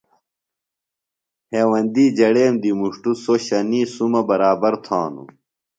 ہیوندی جڑیم دی مُݜٹوۡ سوۡ شنیی سُمہ برابر تھانُوۡ۔